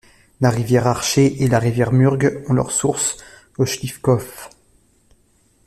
La rivière Acher et la rivière Murg ont leur source au Schliffkopf.